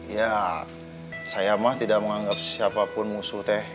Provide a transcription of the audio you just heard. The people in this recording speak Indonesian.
ya saya mah tidak menganggap siapapun musuh teh